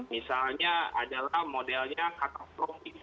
misalnya adalah modelnya katastrofik